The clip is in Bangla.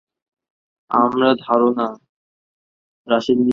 আমার ধারণা, রাশেদ নিজেও অসুস্থ হয়ে পড়েছে।